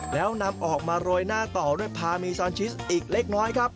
แล้วนำออกมาโรยหน้าต่อด้วยพามีซอนชิสอีกเล็กน้อยครับ